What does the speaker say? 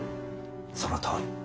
そのとおり。